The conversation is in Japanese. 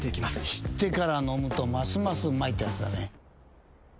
知ってから飲むとますますうまいってやつだね。